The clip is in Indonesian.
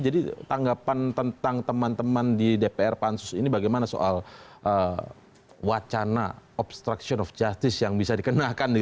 jadi tanggapan tentang teman teman di dpr pansus ini bagaimana soal wacana obstruction of justice yang bisa dikenakan